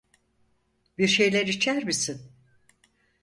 Bir şeyler içer misin?